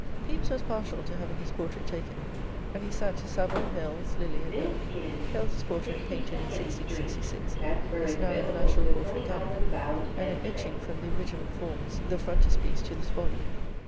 Pepys was partial to having his portrait taken, and he sat to Savill, Hales, Lely, and Kneller. Hales's portrait, painted in 1666, is now in the National Portrait Gallery, and an etching from the original forms the frontispiece to this volume.